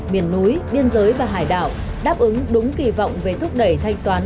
miền núi biên giới và hải đảo đáp ứng đúng kỳ vọng về thúc đẩy thanh toán